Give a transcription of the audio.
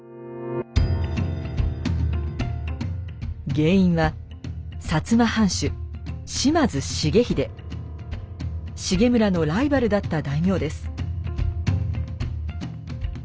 原因は重村のライバルだった大名です。